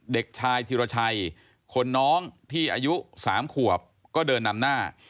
เด็กชายธิรชัยคนน้องที่อายุ๓ขวบก็เดินนำหน้า